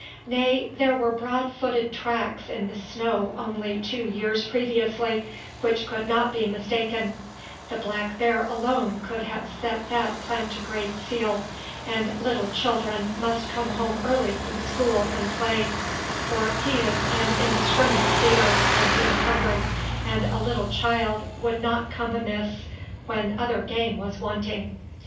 Nay, there were broad footed tracks in the snow only two years previously, which could not be mistaken; the black bear alone could have set that plantigrade seal, and little children must come home early from school and play, for he is an indiscriminate feeder when he is hungry, and a little child would not come amiss when other game was wanting.